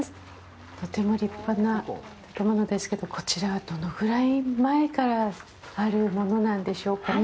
とても立派な建物ですけどこちらは、どのぐらい前からあるものなんでしょうかね。